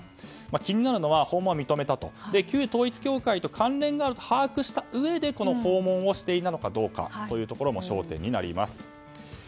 気になるのは訪問を認めたが旧統一教会と関連があると把握したうえでこの訪問をしていたのかも焦点になります。